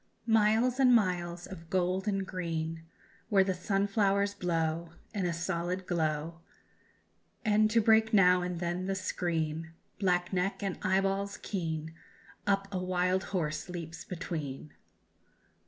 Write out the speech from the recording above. "Miles and miles of gold and green Where the sunflowers blow In a solid glow, And to break now and then the screen Black neck and eyeballs keen, Up a wild horse leaps between."